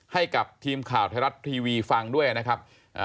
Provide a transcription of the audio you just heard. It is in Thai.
ให้กับทีมข่าวไทรรัติและที่มันมีคำสั่ง